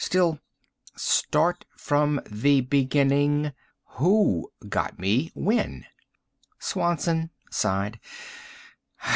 Still " "Start from the beginning. Who got me when?" Swanson sighed.